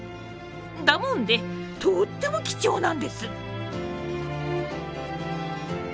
だもんでとっても貴重なんです。